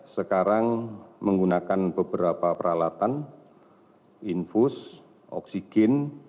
sekarang menggunakan beberapa peralatan infus oksigen